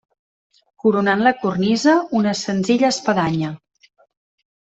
Coronant la cornisa, una senzilla espadanya.